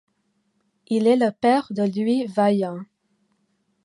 Il est le père de Louis Vaillant.